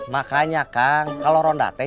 makanya kang kalau ronda teh